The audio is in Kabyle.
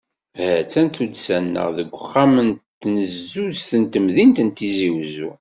Ha-tt-an tuddsa-nneɣ deg texxam n tnezuzt n temdint n Tizi Uzzu.